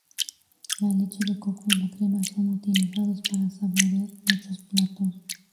La leche de coco y la crema son utilizados para saborear muchos platos.